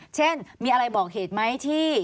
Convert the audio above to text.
เช่นมีอะไรบอกเหตุไหมที่